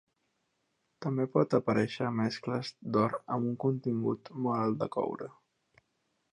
També pot aparèixer a mescles d"or amb un contingut molt alt de coure.